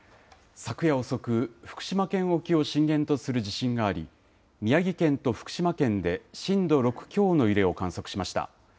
昨夜遅く、福島県沖を震源とする地震があり、宮城県と福島県で震度６強の揺れを観測しました。